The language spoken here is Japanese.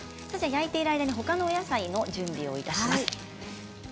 焼いている間にほかのお野菜の準備をします。